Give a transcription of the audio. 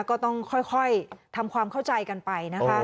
ก็ต้องค่อยทำความเข้าใจกันไปนะคะ